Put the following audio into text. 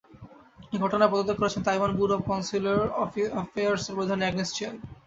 এ ঘটনায় পদত্যাগ করেছেন তাইওয়ান ব্যুরো অব কনস্যুলার অ্যাফেয়ার্সের প্রধান অ্যাগ্নেস চেন।